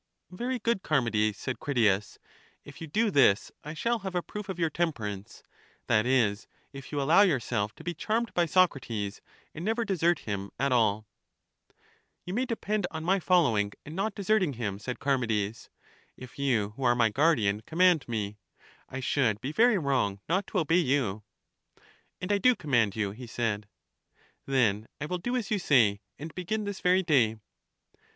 Very good, Charmides, said Critias; if you do this I shall have a proof of your temperance, that is, if you allow yourself to be charmed by Socrates, and never desert him at alL r t Digitized by VjOOQ IC 42 CHARMIDES You may depend on my following and not desert ing him, said Charmides : if you who are my guardian command me, I should be very wrong not to obey you. And I do command you, he said. Then I will do as you say, and begin this very day.